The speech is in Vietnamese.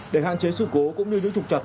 để hạn chế sự cố cũng như những trục trặc